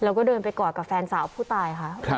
แล้วก็เดินไปกอดกับแฟนสาวผู้ตายค่ะ